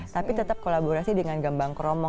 tapi tetap kolaborasi dengan gambang kromo